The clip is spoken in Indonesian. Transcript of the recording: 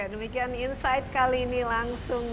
demikian insight kali ini langsung